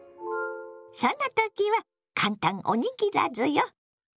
そんな時は簡単おにぎらずよ！